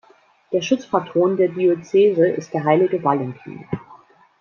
Der Schutzpatron der Diözese ist der heilige Valentin.